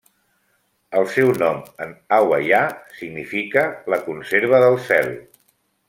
El seu nom en hawaià significa 'La conserva del cel'.